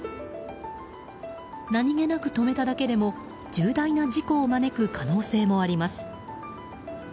何気なく止めただけでも重大な事故を招く可能性もあります。